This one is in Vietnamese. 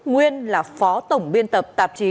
nguyên là phó tổng biên tập tạp chí